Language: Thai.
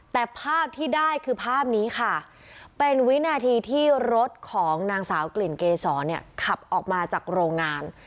แต่ภาพที่ได้คือภาพนี้ค่ะเป็นวินาทีที่รถของนางสาวกลิ่นเกษรเนี่ยขับออกมาจากโรงงาน